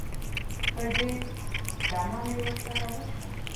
ښه ډېره دمه مې ورسره وکړه.